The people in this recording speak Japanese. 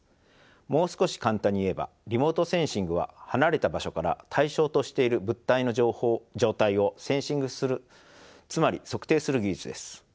もう少し簡単に言えばリモートセンシングは離れた場所から対象としている物体の状態をセンシングするつまり測定する技術です。